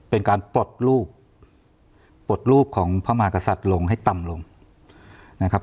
เป็นการปลดรูปปลดรูปของพระมากษัตริย์ลงให้ต่ำลงนะครับ